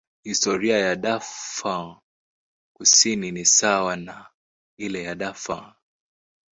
Historia ya Darfur Kusini ni sawa na ile ya Darfur.